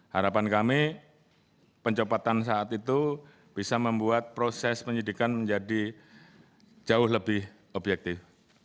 harapan kami pencopotan saat itu bisa membuat proses penyidikan menjadi jauh lebih objektif